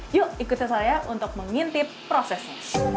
yuk ikuti saya untuk mengintip prosesnya